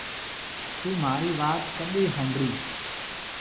ٿُون مهارِي وات ڪڏي هونبڙِي۔